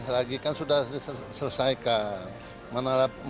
lagi kan sudah diselesaikan